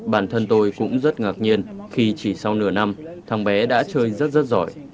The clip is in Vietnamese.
bản thân tôi cũng rất ngạc nhiên khi chỉ sau nửa năm tháng bé đã chơi rất rất giỏi